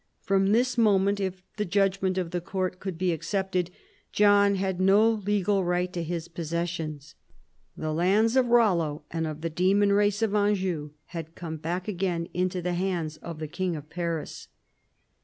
From this moment, if the judgment of the court could be accepted, John had no legal right to his possessions. The lands of Eollo and of the demon race of Anjou had come again into the hands of the king of Paris.